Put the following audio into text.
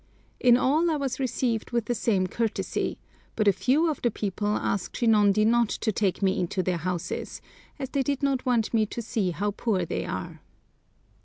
In all I was received with the same courtesy, but a few of the people asked Shinondi not to take me into their houses, as they did not want me to see how poor they are.